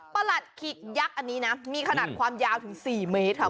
หลัดขิกยักษ์อันนี้นะมีขนาดความยาวถึง๔เมตรค่ะ